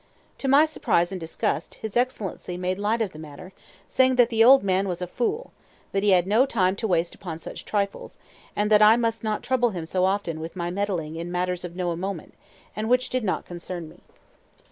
To my surprise and disgust, his Excellency made light of the matter, saying that the old man was a fool; that he had no time to waste upon such trifles; and that I must not trouble him so often with my meddling in matters of no moment, and which did not concern me.